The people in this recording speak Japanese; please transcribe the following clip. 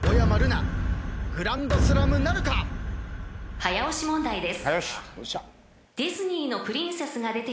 ［早押し問題です］